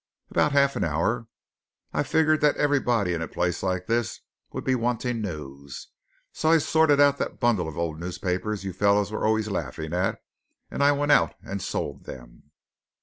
"About half an hour. I figured that everybody in a place like this would be wanting news. So I sorted out that bundle of old newspapers you fellows were always laughing at, and I went out and sold them.